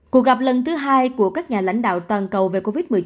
cuộc gặp lần thứ hai của các nhà lãnh đạo toàn cầu về covid một mươi chín